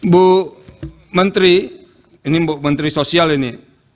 bu menteri ini bu menteri sosial ini